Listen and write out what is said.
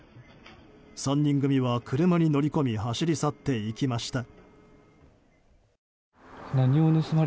３人組は車に乗り込み走り去っていきました。